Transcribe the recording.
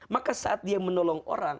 maka saat dia menolong orang